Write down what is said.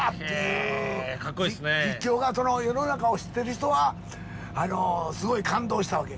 実況が世の中を知っている人はすごい感動したわけよ。